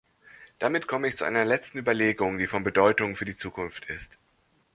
Damit komme ich zu einer letzten Überlegung, die von Bedeutung für die Zukunft ist.